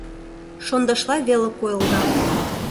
Шондашла веле койылда.